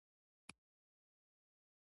پامیر د افغان ځوانانو لپاره دلچسپي لري.